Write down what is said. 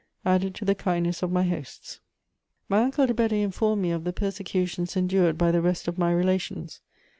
added to the kindness of my hosts. My uncle de Bedée informed me of the persecutions endured by the rest of my relations.